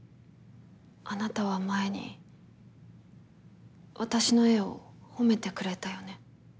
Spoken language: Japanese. あなたは前に私の絵を褒めてくれたよね。